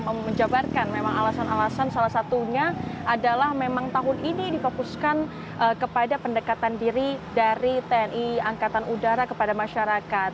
memang menjabarkan memang alasan alasan salah satunya adalah memang tahun ini difokuskan kepada pendekatan diri dari tni angkatan udara kepada masyarakat